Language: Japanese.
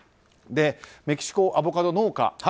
メキシコ、アボカド農家